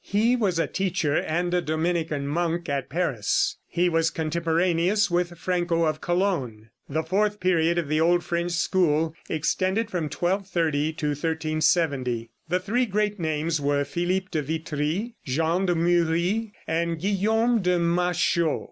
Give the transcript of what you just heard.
He was a teacher and a Dominican monk at Paris. He was contemporaneous with Franco of Cologne. The fourth period of the old French school extended from 1230 to 1370. The three great names were Phillippe de Vitry, Jean de Muris and Guillaume de Machaut.